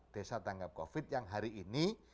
desa tanggap covid yang hari ini